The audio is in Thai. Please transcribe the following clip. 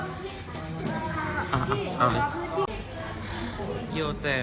ไม่ต้องค่ายชะเบอร์